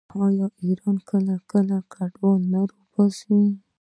آیا ایران کله کله کډوال نه وباسي؟